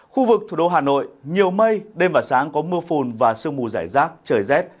khu vực thủ đô hà nội nhiều mây đêm và sáng có mưa phùn và sương mù giải rác trời rét